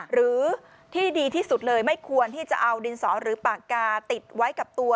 หรือที่ดีที่สุดเลยไม่ควรที่จะเอาดินสอหรือปากกาติดไว้กับตัว